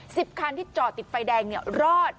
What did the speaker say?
สิบคันที่จอดติดไฟแดงเนี่ยรอด